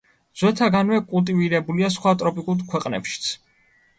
ძველთაგანვე კულტივირებულია სხვა ტროპიკულ ქვეყნებშიც.